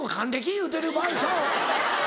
言うてる場合ちゃうわ。